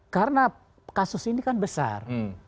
karena kasus ini kan besar